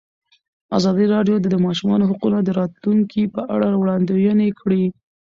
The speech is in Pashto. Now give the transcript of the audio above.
ازادي راډیو د د ماشومانو حقونه د راتلونکې په اړه وړاندوینې کړې.